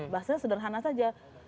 bahasanya sederhana saja